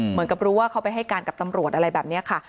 เหมือนกับรู้ว่าเขาไปให้การกับตำรวจอะไรแบบนี้ค่ะ